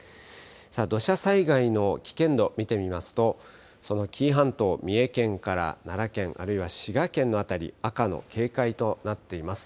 土砂災害の危険度見てみますとその紀伊半島三重県から奈良県、あるいは滋賀県の辺り、赤の警戒となっています。